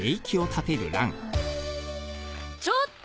ちょっと！